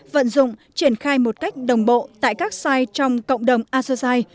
vận dụng triển khai một cách đồng bộ tại các sile trong cộng đồng asosai